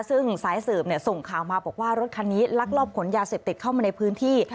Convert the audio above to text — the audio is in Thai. ซึ่งสายสืบส่งข่าวมาบอกว่ารถคันนี้ลักลอบขนยาเสพติดเข้ามาในพื้นที่